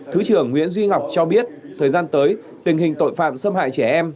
thứ trưởng nguyễn duy ngọc cho biết thời gian tới tình hình tội phạm xâm hại trẻ em